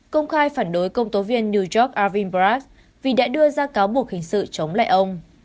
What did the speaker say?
công khai phản đối công tố viên new york avinbrad vì đã đưa ra cáo buộc hình sự chống lại ông